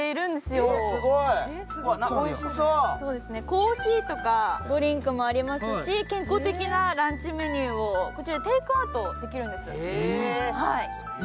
コーヒーとかドリンクもありますし健康的なランチメニューをこちら、テイクアウトできるんです。